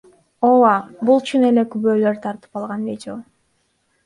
Ооба, бул чын эле күбөлөр тартып алган видео.